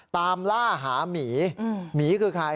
ตามล่าหาหมีหมีคือใคร